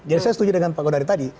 jadi saya setuju dengan pak godari tadi